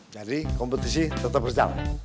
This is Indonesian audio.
jadi kompetisi tetap berjalan